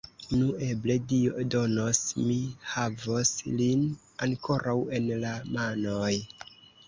Nu, eble Dio donos, mi havos lin ankoraŭ en la manoj!